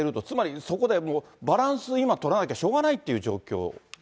つまり、そこでもうバランスを今取らなきゃしょうがないっていう状況？